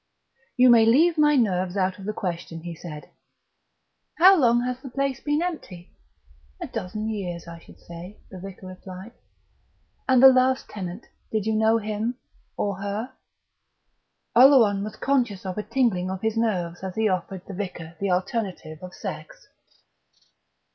"You may leave my nerves out of the question," he said. "How long has the place been empty?" "A dozen years, I should say," the vicar replied. "And the last tenant did you know him or her?" Oleron was conscious of a tingling of his nerves as he offered the vicar the alternative of sex.